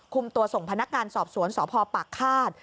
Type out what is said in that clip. คุมตัวส่งพนักงานสอบสวนสพปากฆาต